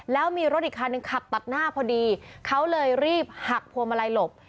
แล้วมีรถอีกคันหนึ่งขับตัดหน้าพอดีเขาเลยรีบหักพวงมาลัยหลบ